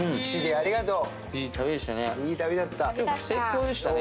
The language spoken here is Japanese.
ありがとう。